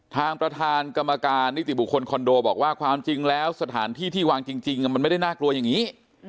ทางประธานกรรมการนิติบุคคลคอนโดบอกว่าความจริงแล้วสถานที่ที่วางจริงมันไม่ได้น่ากลัวอย่างนี้